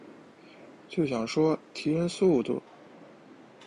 就想说提升速度